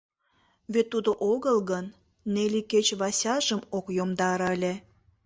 Вет тудо огыл гын, Нелли кеч Васяжым ок йомдаре ыле.